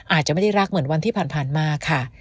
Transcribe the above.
อาจจะไม่ได้รักเหมือนวันที่ผ่านมาค่ะ